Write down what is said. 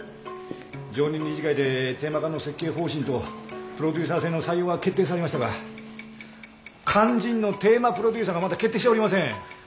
常任理事会でテーマ館の設計方針とプロデューサー制の採用が決定されましたが肝心のテーマプロデューサーがまだ決定しておりません。